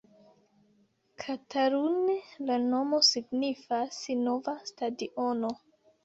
Katalune, la nomo signifas nova stadiono.